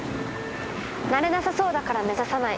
なれなさそうだから目指さない。